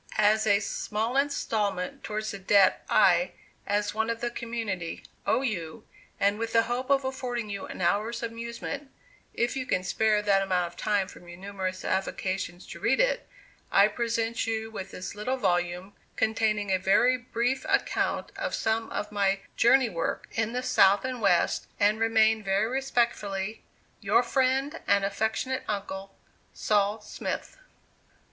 "As a small instalment towards the debt, I, as one of the community, owe you, and with the hope of affording you an hour's amusement (if you can spare that amount of time from your numerous avocations to read it), I present you with this little volume, containing a very brief account of some of my 'journey work' in the south and west; and remain, very respectfully, "Your friend, and affectionate uncle, "SOL. SMITH.